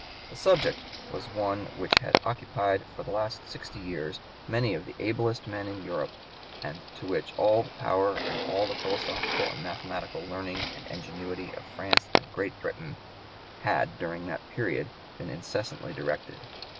The subject was one which had "occupied for the last sixty years many of the ablest men in Europe, and to which all the power and all the philosophical and mathematical learning and ingenuity of France and of Great Britain" had during that period been incessantly directed.